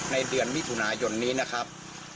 ในเดือนมิถุนายนนี้นะครับ